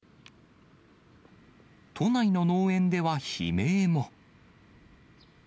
都内の農園では悲鳴も。